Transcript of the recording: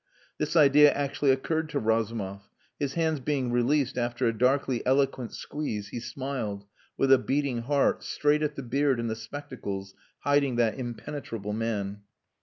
This idea actually occurred to Razumov; his hands being released after a darkly eloquent squeeze, he smiled, with a beating heart, straight at the beard and the spectacles hiding that impenetrable man.